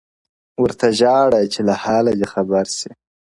ورته ژاړه چي له حاله دي خبر سي-